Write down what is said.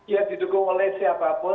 ya didukung oleh siapapun